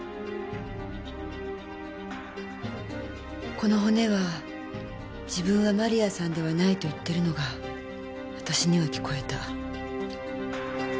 この骨は自分は万里亜さんではないと言ってるのが私には聞こえた。